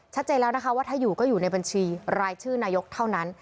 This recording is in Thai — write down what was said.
ชัดเจนแล้วว่าก็อยู่ในบัญชีรายชื่อนายกเท่านั้น